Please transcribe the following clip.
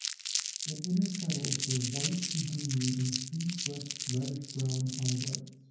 The inner petals are white to green and streaked with reddish brown highlights.